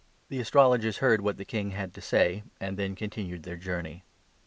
The Astrologers heard what the King had to say, and then 9 continued their journey.